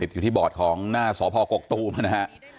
อยู่ที่บอร์ดของหน้าสพกกตูมนะฮะ